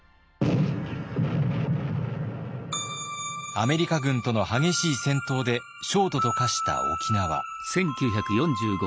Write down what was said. アメリカ軍との激しい戦闘で焦土と化した沖縄。